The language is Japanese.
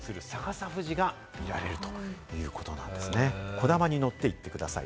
こだまに乗って行ってください。